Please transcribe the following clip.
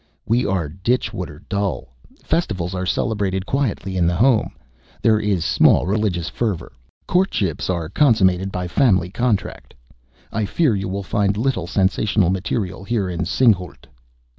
"We are ditch water dull. Festivals are celebrated quietly in the home; there is small religious fervor; courtships are consummated by family contract. I fear you will find little sensational material here in Singhalût."